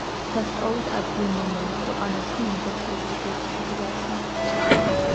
დავსტოვეთ ადგილ-მამული, ქვეყანა ჩვენი და შევუდექით გზასა